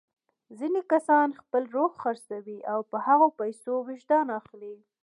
ځینې کسان خپل روح خرڅوي او په هغو پیسو وجدان اخلي.